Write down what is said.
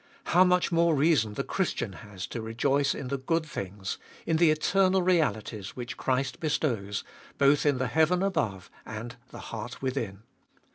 How much more reason the Christian has to rejoice in the good things, in the eternal realities which Christ bestows, both in the heaven above and the heart within.